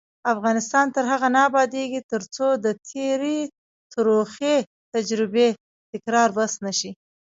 افغانستان تر هغو نه ابادیږي، ترڅو د تېرې تروخې تجربې تکرار بس نه شي.